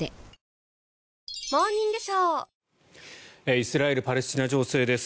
イスラエルパレスチナ情勢です。